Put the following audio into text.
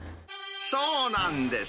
そうなんです。